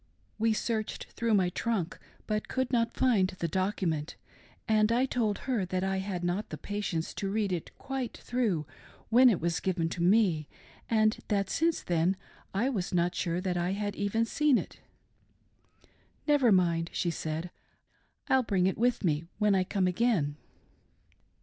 We searched through my trunk but could not find the document, and I told her that I had not patience to read it quite through when it was given to me, and that since then I was not sure that I had even seen it. " Never, mind," she said, " I'll bring it with me when I come again."